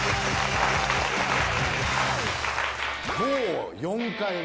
もう４回目。